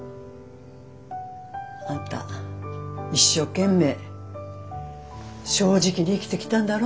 あんた一生懸命正直に生きてきたんだろ？